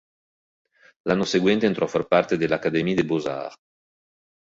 L'anno seguente entrò a far parte della Académie des beaux-arts.